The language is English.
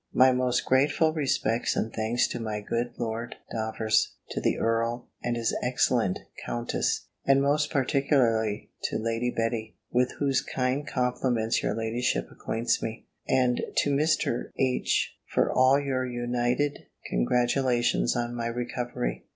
My most grateful respects and thanks to my good Lord Davers; to the Earl, and his excellent Countess; and most particularly to Lady Betty (with whose kind compliments your ladyship acquaints me), and to Mr. H. for all your united congratulations on my recovery.